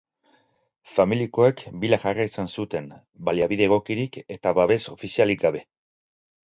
Familiakoek bila jarraitzen zuten baliabide egokirik eta babes ofizialik gabe.